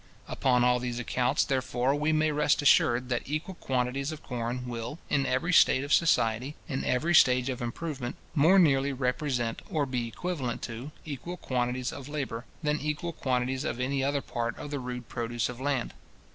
Upon all these accounts, therefore, we may rest assured, that equal quantities of corn will, in every state of society, in every stage of improvement, more nearly represent, or be equivalent to, equal quantities of labour, than equal quantities of any other part of the rude produce of land.